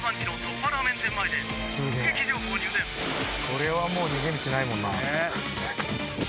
これはもう逃げ道ないもんな。